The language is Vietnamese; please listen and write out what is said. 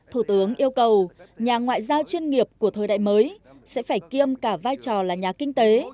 thủ tướng yêu cầu nhà ngoại giao chuyên nghiệp của thời đại mới sẽ phải kiêm cả vai trò là nhà kinh tế